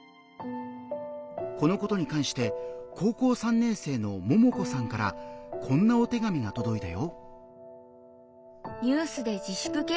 このことに関して高校３年生のももこさんからこんなお手紙がとどいたよ。